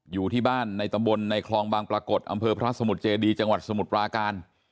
อยู่ที่บ้านในตำบลในคลองบางปรากฏอำเภอพระสมุทรเจดีจังหวัดสมุทรปราการ